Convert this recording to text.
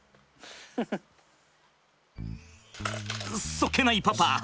そっけないパパ。